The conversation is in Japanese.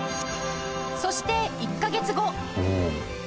そして１カ月後